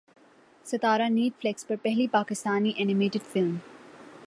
ستارہ Netflix پر پہلی پاکستانی اینیمیٹڈ فلم